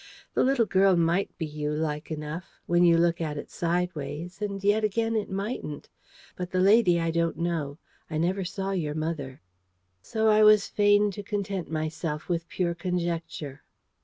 The little girl might be you, like enough, when you look at it sideways; and yet again it mightn't. But the lady I don't know. I never saw your mother." So I was fain to content myself with pure conjecture.